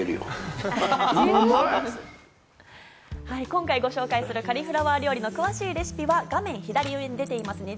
今回ご紹介するカリフラワー料理の詳しいレシピは左上に出ていますね。